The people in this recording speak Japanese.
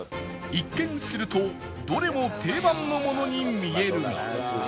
一見するとどれも定番のものに見えるが